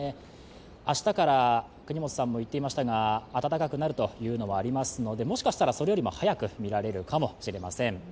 明日から國本さんも言っていましたが、暖かくなるというのがありますので、もしかしたら、それよりも早く見られるかもしれません。